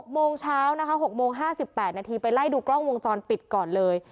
โมงเช้านะคะ๖โมง๕๘นาทีไปไล่ดูกล้องวงจรปิดก่อนเลย